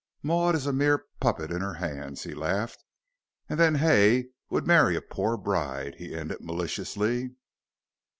Maud is a mere puppet in her hands," he laughed. "And then Hay would marry a poor bride," he ended maliciously.